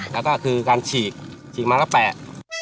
แล้วก็คือการฉีกฉีกมาก็แปะ